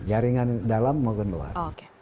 jaringan dalam maupun luar